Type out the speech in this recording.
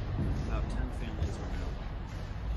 About ten families are known.